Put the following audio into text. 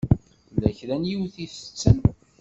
Tella kra n yiwet i itetten.